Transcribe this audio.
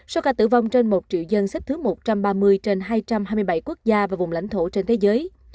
số ca tử vong trên một triệu dân xếp thứ một trăm ba mươi trên hai trăm hai mươi bảy quốc gia và vùng lãnh thổ trên thế giới